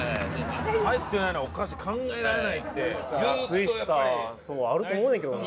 「入ってないのはおかしい。考えられない」ってずっとやっぱり。